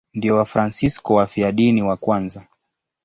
Ndio Wafransisko wafiadini wa kwanza.